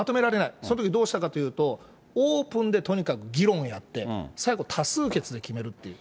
そのときどうしたかというと、オープンでとにかく議論をやって、最後、多数決で決めるっていう。